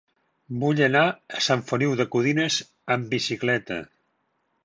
Vull anar a Sant Feliu de Codines amb bicicleta.